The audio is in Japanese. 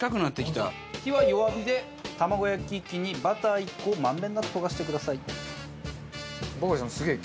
火は弱火で卵焼き器にバター１個を満遍なく溶かしてください。